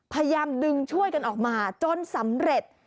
พยายามดึงช่วยกันออกมาจนสำเร็จ